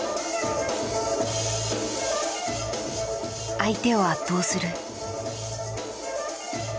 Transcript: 相手を圧倒する。